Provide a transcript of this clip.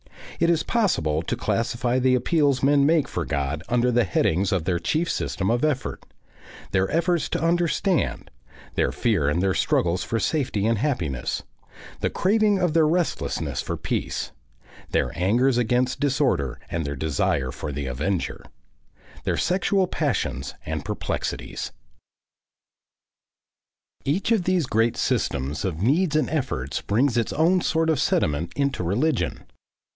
It is possible to classify the appeals men make for God under the headings of their chief system of effort, their efforts to understand, their fear and their struggles for safety and happiness, the craving of their restlessness for peace, their angers against disorder and their desire for the avenger; their sexual passions and perplexities. ... Each of these great systems of needs and efforts brings its own sort of sediment into religion.